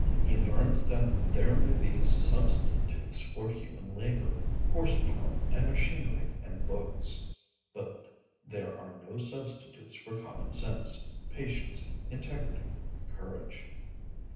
He learns that there may be substitutes for human labor horse power and machinery and books; but ŌĆ£there are no substitutes for common sense, patience, integrity, courage.